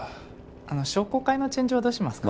あの商工会の陳情はどうしますか？